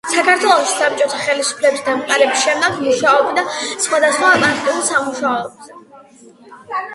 საქართველოში საბჭოთა ხელისუფლების დამყარების შემდეგ მუშაობდა სხვადასხვა პარტიულ სამუშაოზე.